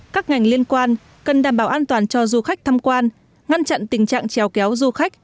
các ngành liên quan cần đảm bảo an toàn cho du khách tham quan ngăn chặn tình trạng trèo kéo du khách